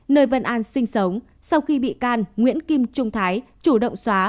nơi văn an sinh sống sau khi bị can nguyễn kim trung thái chủ động xóa